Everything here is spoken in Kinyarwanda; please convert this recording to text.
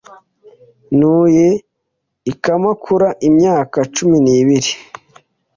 Ntuye i Kamakura imyaka cumi n'ibiri.